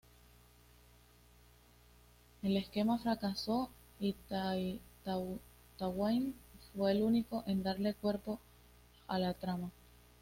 El esquema fracasó y Twain fue el único en darle cuerpo a la trama.